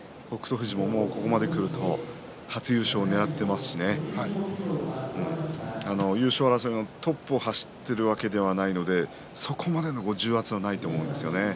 富士もここまでくると初優勝をねらっていますし優勝争いのトップを走っているわけではないのでそこまでの重圧はないと思うんですよね。